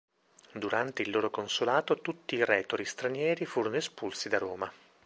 Durante il loro consolato tutti i retori stranieri furono espulsi da Roma.